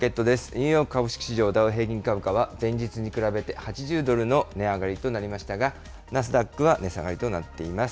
ニューヨーク株式市場ダウ平均株価は、前日に比べて８０ドルの値上がりとなりましたが、ナスダックは値下がりとなっています。